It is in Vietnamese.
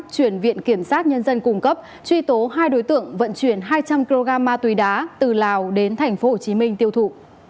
chuyển viện kiểm sát nhân dân cung cấp truy tố hai đối tượng vận chuyển hai trăm linh kg ma túy đá từ lào đến tp hcm tiêu thụ